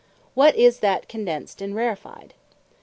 What is that Condensed, and Rarefied?